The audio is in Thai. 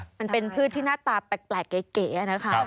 มันเป็นพืชที่หน้าตาแปลกเก๋นะคะ